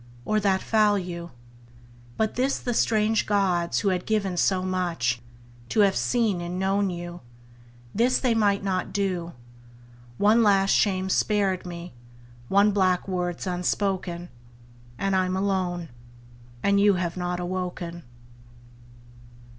or that foul you? But this the strange gods, who had given so much, To have seen and known you, this they might not do. One last shame's spared me, one black word's unspoken; And I'm alone; and you have not awoken.